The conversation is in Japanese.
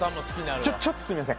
ちょちょっとすいません